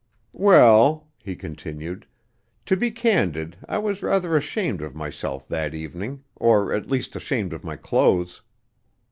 "Well," he continued, "to be candid, I was rather ashamed of myself that evening, or at least ashamed of my clothes.